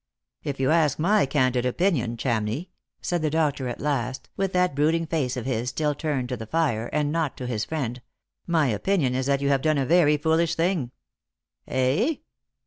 " If you ask my candid opinion, Chamney," said the doctor at Lost for Love. 35 last, with that brooding face of his still turned to the fire, and not to his friend, " my opinion is that you have done a very foolish thing." "Eh?"